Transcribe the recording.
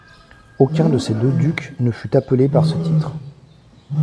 Aucun de ces deux ducs ne fut appelé par ce titre.